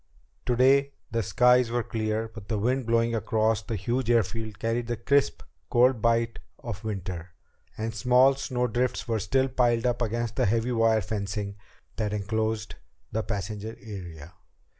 Today the skies were clear, but the wind blowing across the huge airfield carried the crisp, cold bite of winter, and small snowdrifts were still piled up against the heavy wire fencing that enclosed the passenger area.